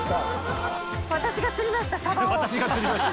私が釣りました」